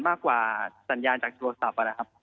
มากกว่าสัญญาณจากโทรศัพท์นะครับ